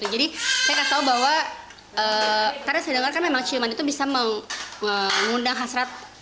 jadi saya kasih tau bahwa karena saya dengar ciuman itu bisa mengundang hasrat